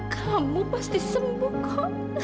kamu pasti sembuh kok